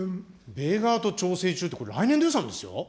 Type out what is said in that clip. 米側と調整中って、これ、来年度予算ですよ。